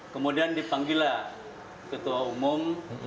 kemudian dipanggil lah ketua umum